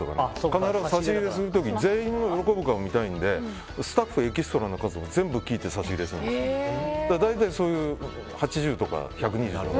必ず差し入れする時全員が喜ぶ顔が見たいのでスタッフ、エキストラの数全部聞いて差し入れするの。